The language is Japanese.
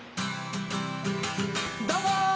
どうも！